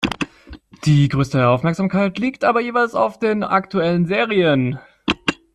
Die größte Aufmerksamkeit liegt aber jeweils auf den aktuellen Serien.